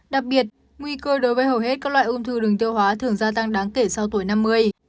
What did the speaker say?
đặc biệt nguy cơ đối với hầu hết các loại ung thư đường tiêu hóa thường gia tăng đáng kể sau tuổi năm mươi